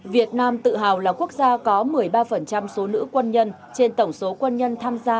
việt nam tự hào là quốc gia có một mươi ba số nữ quân nhân trên tổng số quân nhân tham gia